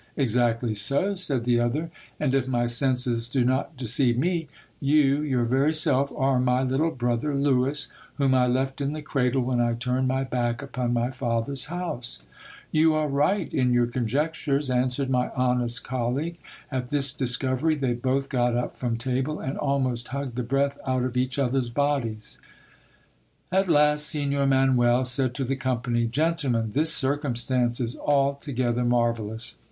Exactly so, said the other, and if my senses do not deceive me, you your very self are my little brother Lewis, whom I left in the cradle when I turned my back upon my father's house ? You are right in your conjectures, answered my honest colleague. At this discovery they both got up from table, and almost hugged the breath out of each other's bodies. At last Signor Manuel said to the company — Gentle men, this circumstance is altogether marvellous.